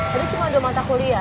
tadi cuma udah matah kuliah